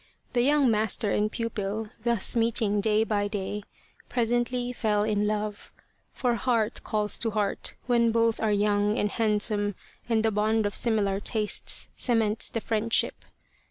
The young master and pupil thus meeting day by day, presently fell in love, for heart calls to heart when both are young and handsome and the bond of similar tastes cements the friendship.